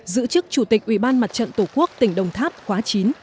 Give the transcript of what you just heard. giữ chức chủ tịch ủy ban mặt trận tổ quốc tỉnh đồng tháp khóa chín